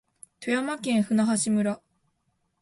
富山県舟橋村